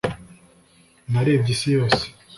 narebye isi yose